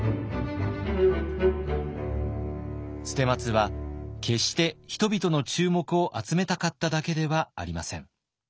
捨松は決して人々の注目を集めたかっただけではありません。